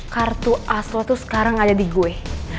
kartu aslo tuh sekarang ada di gue